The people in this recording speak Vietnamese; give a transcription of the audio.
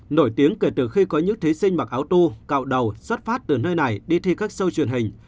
nổi tiếng kể từ khi có những thí sinh mặc áo tu cạo đầu xuất phát từ nơi này đi thi các show truyền hình